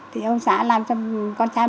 thì ông xã làm cho con trai